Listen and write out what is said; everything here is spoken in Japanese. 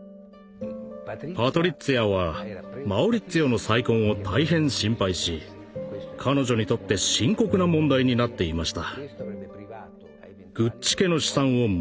パトリッツィアはマウリッツィオの再婚を大変心配し彼女にとって深刻な問題になっていました。